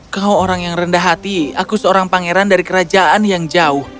kau orang yang rendah hati aku seorang pangeran dari kerajaan yang jauh